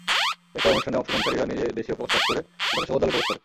এরপর অনুষ্ঠানে অংশগ্রহণকারীরা নিজ দেশীয় পোশাক পরে দেশের পতাকাসহ হলে প্রবেশ করে।